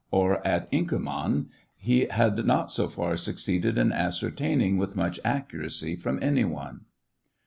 12$ or at Inkermann, he had not so far succeeded in ascertaining with much accuracy from any one.